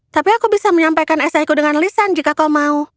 tapi aku bisa menyampaikan esaiku dengan lisan jika kau mau